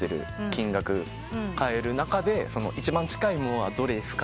買える中で「一番近いものはどれですか？」